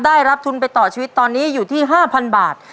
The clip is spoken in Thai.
ได้รับทุนไปต่อชีวิตตอนนี้อยู่ที่๕๐๐บาท